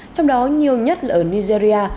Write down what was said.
trong đó nhiều nhất là ở nigeria